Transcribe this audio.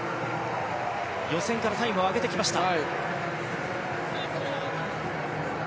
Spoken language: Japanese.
予選からタイムを上げてきました。